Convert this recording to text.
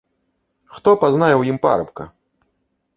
Хто пазнае ў ім парабка?